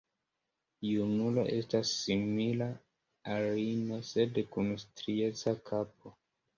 Junulo estas simila al ino, sed kun strieca kapo.